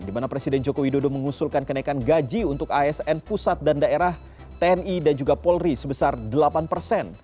di mana presiden joko widodo mengusulkan kenaikan gaji untuk asn pusat dan daerah tni dan juga polri sebesar delapan persen